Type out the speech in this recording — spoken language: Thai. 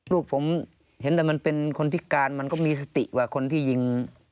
ลูกผมเห็นแต่มันเป็นคนพิการมันก็มีสติกว่าคนที่ยิง